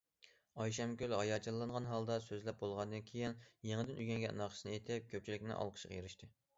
ئايشەمگۈل ھاياجانلانغان ھالدا سۆزلەپ بولغاندىن كېيىن، يېڭىدىن ئۆگەنگەن ناخشىسىنى ئېيتىپ، كۆپچىلىكنىڭ ئالقىشىغا ئېرىشتى.